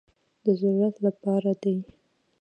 د ضرورت لپاره دي.